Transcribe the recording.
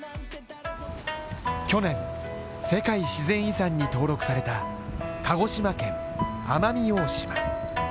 去年、世界自然遺産に登録された鹿児島県、奄美大島。